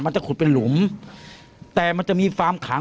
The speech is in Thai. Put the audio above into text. มันจะขุดเป็นหลุมแต่มันจะมีความขัง